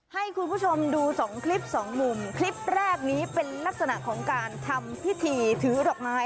ให้คุณผู้ชมดูสองคลิปสองมุมคลิปแรกนี้เป็นลักษณะของการทำพิธีถือดอกไม้